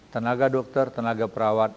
tenaga dokter tenaga perawat